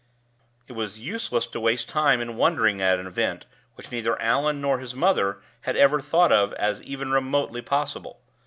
It was useless to waste time in wondering at an event which neither Allan nor his mother had ever thought of as even remotely possible.